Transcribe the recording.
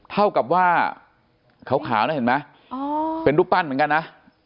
เท่ากับว่าขาวนะเห็นไหมเป็นรูปปั้นเหมือนกันนะ